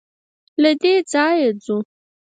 له دې ځايه ځو.